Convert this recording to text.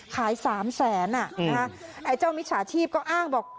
สามแสนไอ้เจ้ามิจฉาชีพก็อ้างบอก